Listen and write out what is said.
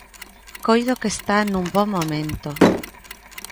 Coido que está nun bo momento.